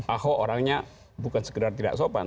ahok orangnya bukan sekedar tidak sopan